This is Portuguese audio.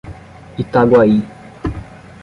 Itaguaí